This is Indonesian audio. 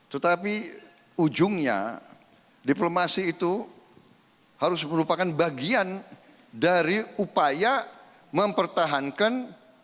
tetapi ujungnya diplomasi itu harus merupakan bagian dari upaya mempertahankan